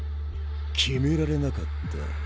決められなかった。